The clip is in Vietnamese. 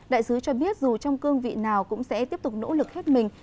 đại sứ cho biết dù trong cương vị nào cũng sẽ tiếp tục nỗ lực hết mình